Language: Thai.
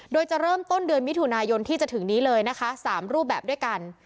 โดยจะเริ่มต้นเดือนมิถุนายนที่จะถึงนี้เลยนะคะ๓รูปแบบด้วยกัน